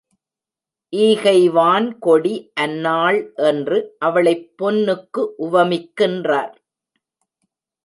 ஈகைவான் கொடி அன்னாள் என்று அவளைப் பொன்னுக்கு உவமிக்கின்றார்.